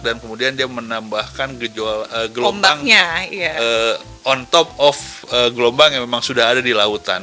dan kemudian dia menambahkan gelombang on top of gelombang yang memang sudah ada di lautan